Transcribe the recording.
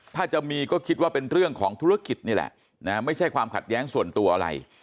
ถ้าจะมีก็คิดว่าเป็นเรื่องของธุรกิจนี่แหละนะไม่ใช่ความขัดแย้งส่วนตัวอะไร